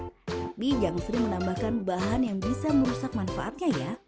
tapi jangan sering menambahkan bahan yang bisa merusak manfaatnya ya